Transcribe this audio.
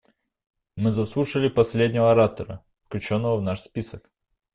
Мы заслушали последнего оратора, включенного в наш список.